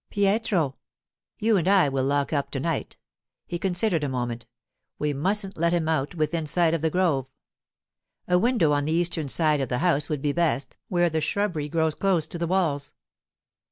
'Pietro.' 'You and I will lock up to night.' He considered a moment. 'We mustn't let him out within sight of the grove. A window on the eastern side of the house would be best, where the shrubbery grows close to the walls.